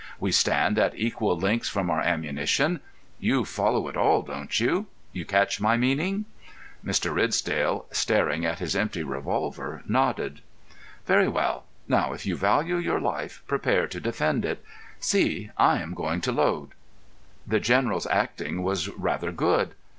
We stand at equal lengths from our ammunition. You follow it all, don't you? You catch my meaning?" Mr. Ridsdale, staring at his empty revolver, nodded. "Very well. Now, if you value your life, prepare to defend it. See! I am going to load." The General's acting was rather good.